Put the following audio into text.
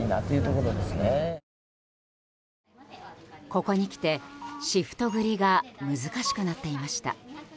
ここに来て、シフト繰りが難しくなっていました。